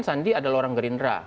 sandi adalah orang gerindra